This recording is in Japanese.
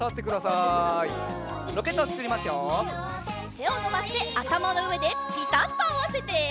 てをのばしてあたまのうえでピタッとあわせて。